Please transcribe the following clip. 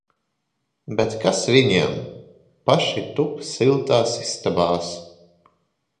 Bet kas viņiem! Paši tup siltās istabās!